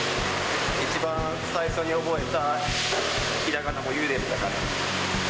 一番最初に覚えたひらがなも、ゆでしたから。